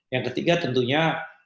yang ketiga tentunya